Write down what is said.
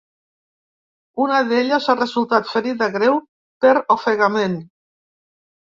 Una d’elles ha resultat ferida greu per ofegament.